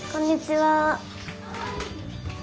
・はい。